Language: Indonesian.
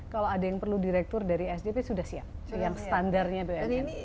kalau ada yang perlu direktur dari sdp sudah siap yang standarnya bumn